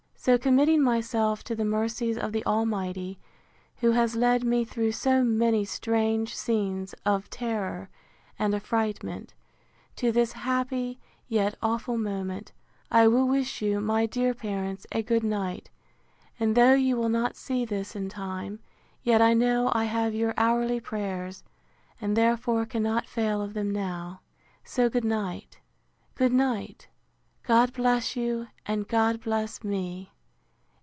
—So, committing myself to the mercies of the Almighty, who has led me through so many strange scenes of terror and affrightment, to this happy, yet awful moment, I will wish you, my dear parents, a good night; and though you will not see this in time, yet I know I have your hourly prayers, and therefore cannot fail of them now. So, good night, good night! God bless you, and God bless me!